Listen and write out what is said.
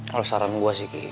kalau saran gue sih